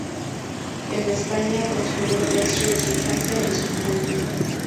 En España, transcurrió el resto de su infancia y su juventud.